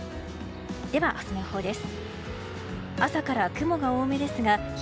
では、明日の予報です。